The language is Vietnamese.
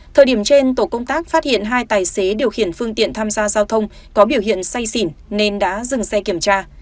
thời điểm trên tổ công tác phát hiện hai tài xế điều khiển phương tiện tham gia giao thông có biểu hiện say xỉn nên đã dừng xe kiểm tra